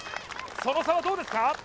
その差はどうですか？